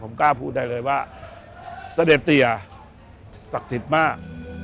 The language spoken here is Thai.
ผมกล้าพูดได้เลยว่าเสด็จเตียศักดิ์สิทธิ์มาก